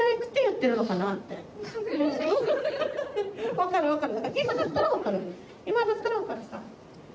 分かる分かる。